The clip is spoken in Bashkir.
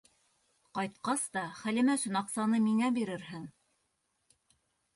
Ҡайтҡас та Хәлимә өсөн аҡсаны миңә бирерһең.